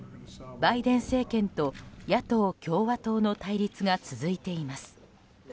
バイデン政権と野党・共和党の対立が続いています。